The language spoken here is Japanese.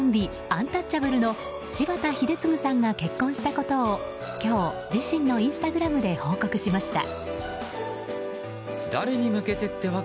アンタッチャブルの柴田英嗣さんが結婚したことを今日、自身のインスタグラムで報告しました。